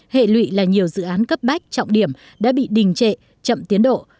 hệ lụy là nhiều dự án cấp bách trọng điểm đã bị đình trệ chậm tiến độ